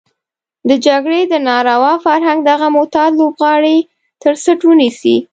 د جګړې د ناروا فرهنګ دغه معتاد لوبغاړی تر څټ ونيسي.